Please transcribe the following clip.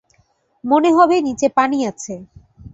মনে হবে নিচে পানি আছে।